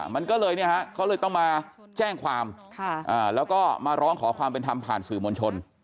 มันก็เลยเนี่ยฮะเขาเลยต้องมาแจ้งความแล้วก็มาร้องขอความเป็นธรรมผ่านสื่อมวลชน